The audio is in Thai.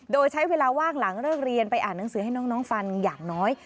โดยใช้เวลาว่างหลังเลิกเรียนไปอ่านหนังสือให้น้องฟังอย่างน้อย